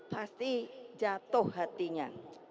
pasti jatuh hatinya